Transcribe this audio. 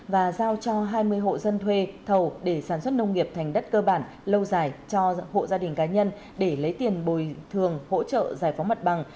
và giao cho hai mươi hộ dân thuê thầu để sản xuất nông nghiệp thành đất cơ bản lâu dài cho hộ gia đình cá nhân để lấy tiền bồi thường hỗ trợ giải phóng mặt bằng